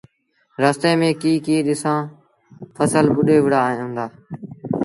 رستي ميݩ ڪيٚ ڏسآݩ ڦسل ٻُڏي وُهڙآ هُݩدآ۔